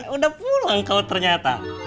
udah pulang kau ternyata